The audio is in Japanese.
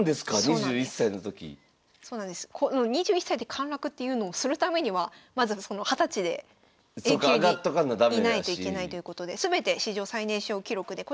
この２１歳で陥落っていうのをするためにはまず２０歳でＡ級にいないといけないということで全て史上最年少記録で。